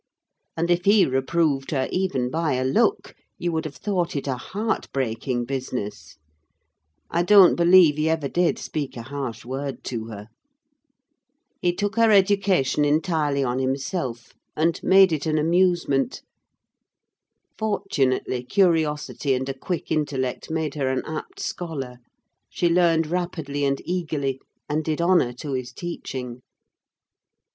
And if he reproved her, even by a look, you would have thought it a heart breaking business: I don't believe he ever did speak a harsh word to her. He took her education entirely on himself, and made it an amusement. Fortunately, curiosity and a quick intellect made her an apt scholar: she learned rapidly and eagerly, and did honour to his teaching.